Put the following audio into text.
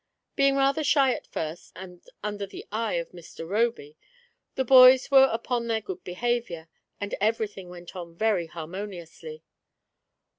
Being rather shy at first, and under the eye of Mr. Roby, the boys were upon their good behaviour, and everything went on very haimoniously.